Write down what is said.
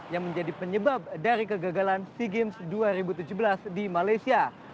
yang menjadi penyebab dari kegagalan sea games dua ribu tujuh belas di malaysia